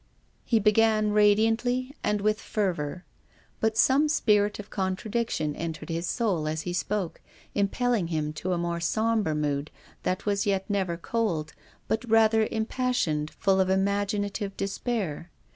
He began radiantly and with fervour. But some spirit of contradiction entered his soul as he spoke, impelling him to a more sombre mood that was yet never cold, but rather impassioned full of imaginative despair.